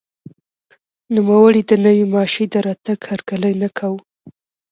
نوموړي د نوې ماشیۍ د راتګ هرکلی نه کاوه.